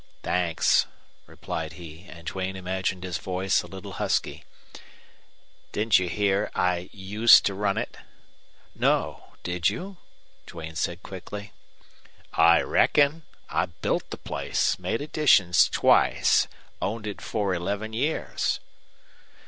"Thanks," replied he; and Duane imagined his voice a little husky. "Didn't you hear I used to run it?" "No. Did you?" Duane said, quickly. "I reckon. I built the place, made additions twice, owned it for eleven years."